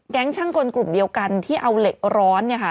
ช่างกลกลุ่มเดียวกันที่เอาเหล็กร้อน